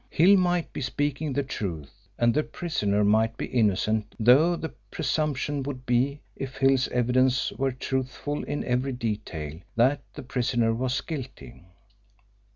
Hill might be speaking the truth and the prisoner might be innocent though the presumption would be, if Hill's evidence were truthful in every detail, that the prisoner was guilty.